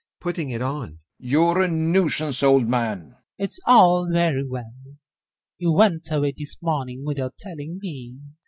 GAEV. [Putting it on] You're a nuisance, old man. FIERS It's all very well.... You went away this morning without telling me.